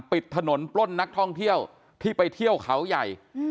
ปิดถนนปล้นนักท่องเที่ยวที่ไปเที่ยวเขาใหญ่